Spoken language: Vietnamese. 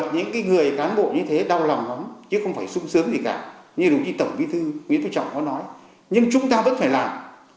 điều gì tổng bí thư nguyễn phú trọng có nói nhưng chúng ta vẫn phải làm